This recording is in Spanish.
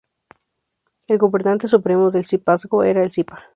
El gobernante supremo del Zipazgo era el Zipa.